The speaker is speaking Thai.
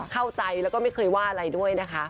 เข้าใจแล้วก็ไม่เคยว่าอะไรด้วยนะคะ